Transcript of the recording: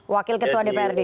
wakil ketua dprd